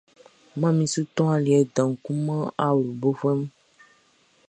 Manmi su tɔn aliɛ dan kun man awlobofuɛ mun.